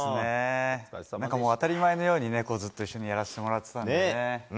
当たり前のようにずっと一緒にやらせてもらっていたので。